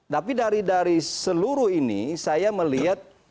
tapi dari seluruh ini saya melihat